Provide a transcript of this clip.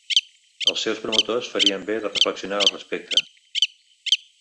Els seus promotors farien be de reflexionar al respecte.